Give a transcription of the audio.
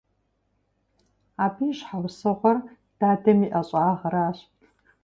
Абы и щхьэусыгъуэр дадэм и ӀэщӀагъэращ.